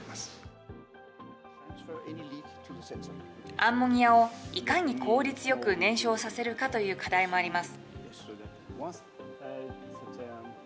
アンモニアをいかに効率よく燃焼させるかという課題もあります。